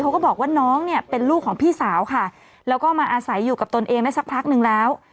ก็บอกว่าน้องเนี่ยเป็นลูกของพี่สาวค่ะแล้วก็มาอาศัยอยู่กับตนเองได้สักพักนึงแล้ว